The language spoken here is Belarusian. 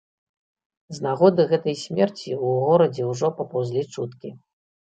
З нагоды гэтай смерці ў горадзе ўжо папаўзлі чуткі.